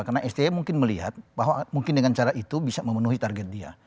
karena sti mungkin melihat bahwa mungkin dengan cara itu bisa memenuhi target dia